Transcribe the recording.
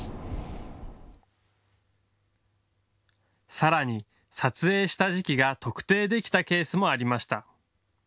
さらに撮影した時期が特定できたケースもありました。